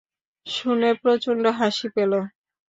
শুনে প্রচণ্ড হাসি পেল।